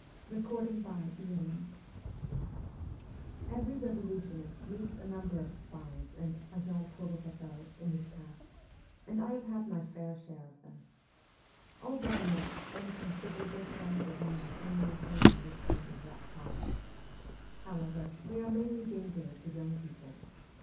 XIV EVEEY revolutionist meets a number of spies and agents provocateurs in his path, and I have had my fair share of them. All governments spend considerable sums of money in maintaining this kind of reptile. However, they are mainly dangerous to young people.